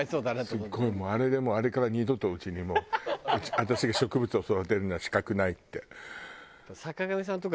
すごいもうあれから二度とうちにもう私が植物を育てるのは資格ないって。